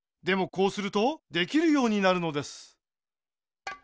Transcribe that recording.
こうするとできるようになるのです。